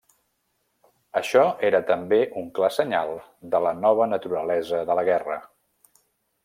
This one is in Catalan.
Això era també un clar senyal de la nova naturalesa de la guerra.